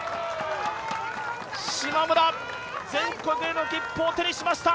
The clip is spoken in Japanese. しまむら、全国への切符を手にしました。